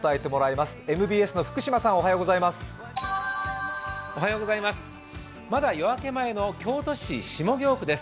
まだ夜明け前の京都市下京区です。